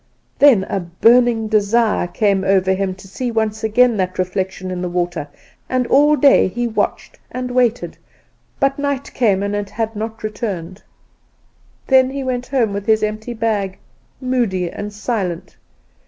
Then a burning desire came over him to see once again that reflection in the water, and all day he watched and waited; but night came and it had not returned. Then he went home with his empty bag, moody and silent.